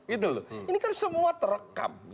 ini kan semua terekam